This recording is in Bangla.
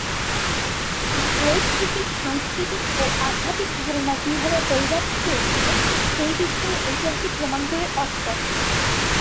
ভারত থেকে সাংস্কৃতিক ও আধ্যাত্মিক ধারণা কীভাবে পরিব্যাপ্ত হয়েছিল, সেই বিষয়ে ঐতিহাসিক প্রমাণগুলি অস্পষ্ট।